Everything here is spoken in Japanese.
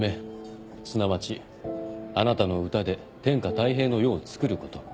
すなわちあなたの歌で天下泰平の世をつくること。